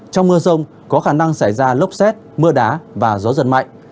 trong mưa rông có khả năng xảy ra lốc xét mưa đá và gió giật mạnh